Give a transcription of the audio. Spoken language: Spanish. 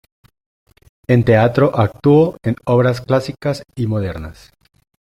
En teatro actuó en obras clásicas y modernas.